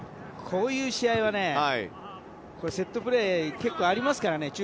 こういう試合はね、セットプレー結構、ありますからね。